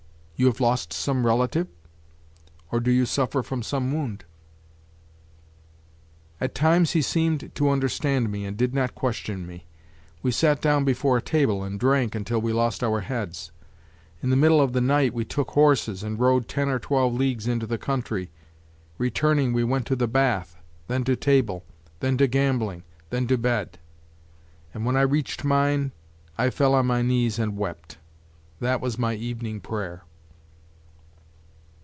You have lost some relative? Or do you suffer from some wound?" At times he seemed to understand me and did not question me. We sat down before a table and drank until we lost our heads; in the middle of the night we took horses and rode ten or twelve leagues into the country; returning we went to the bath, then to table, then to gambling, then to bed; and when I reached mine, I fell on my knees and wept. That was my evening prayer.